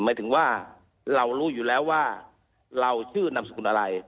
หมายถึงว่าเรารู้อยู่แล้วว่าเราชื่อนามสกุลอะไร